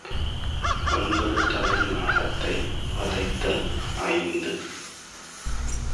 ஒன்பது தலை நாகத்தை வதைத்தல் ஐந்து.